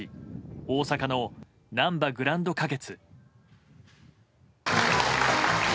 大阪のなんばグランド花月。